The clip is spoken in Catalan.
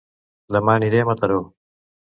Dema aniré a Mataró